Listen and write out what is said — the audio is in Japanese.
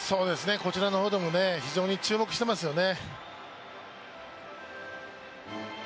こちらの方でも非常に注目してますよね。